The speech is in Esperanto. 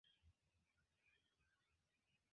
Ankoraŭfoje li frapis.